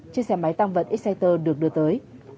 chiếc xe máy tăng vật exciter được đưa tới